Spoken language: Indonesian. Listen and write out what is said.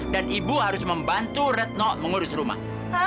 dan ibu harus membantu retno mengurus rumah